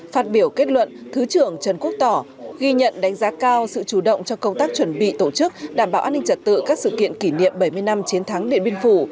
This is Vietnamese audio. phát biểu kết luận thứ trưởng trần quốc tỏ ghi nhận đánh giá cao sự chủ động cho công tác chuẩn bị tổ chức đảm bảo an ninh trật tự các sự kiện kỷ niệm bảy mươi năm chiến thắng điện biên phủ